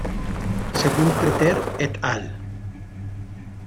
Según Prater et al.